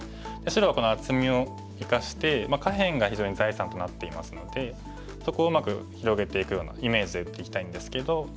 白はこの厚みを生かして下辺が非常に財産となっていますのでそこをうまく広げていくようなイメージで打っていきたいんですけど。